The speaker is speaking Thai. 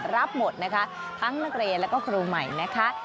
รับหมดนะคะทั้งนักเรียนแล้วก็ครูใหม่นะคะ